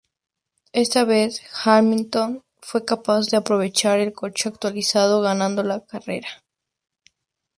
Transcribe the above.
Esta vez Hamilton fue capaz de aprovechar el coche actualizado ganando la carrera.